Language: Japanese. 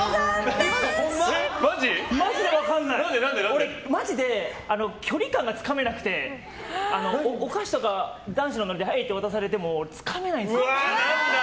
俺、マジで距離感がつかめなくてお菓子とか男子のノリでほいって渡されても何だよ！